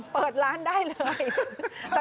เปิดร้านได้เลย